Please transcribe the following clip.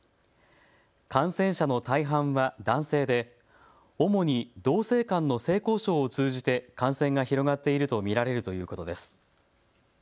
感染者の大半は男性で主に同性間の性交渉を通じて感染が広がっていると見られるということです。